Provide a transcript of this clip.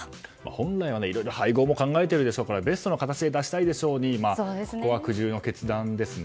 本来は配合も考えているでしょうからベストな形で出したいでしょうが苦渋の決断ですね。